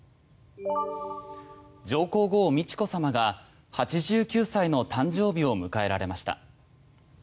上皇后・美智子さまが８９歳の誕生日を迎えられました。